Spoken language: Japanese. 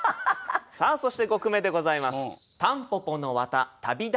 さあそして５句目でございます。